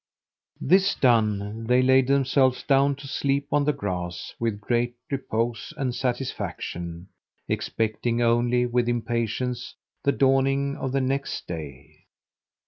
This done, they laid themselves down to sleep on the grass, with great repose and satisfaction, expecting only, with impatience, the dawning of the next day.